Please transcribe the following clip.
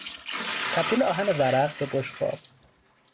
تبدیل آهن ورق به بشقاب